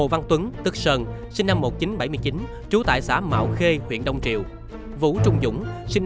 và kinh nghiệm không đúng